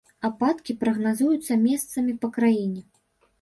Ападкі прагназуюцца месцамі па краіне.